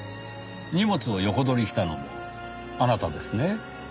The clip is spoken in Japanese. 荷物を横取りしたのもあなたですね？